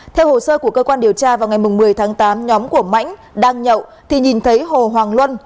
theo hồ sơ của cơ quan điều tra vào ngày một mươi tháng tám nhóm của mãnh đang nhậu thì nhìn thấy hồ hoàng luân